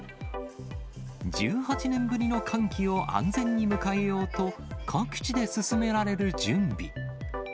１８年ぶりの歓喜を安全に迎えようと、各地で進められる準備。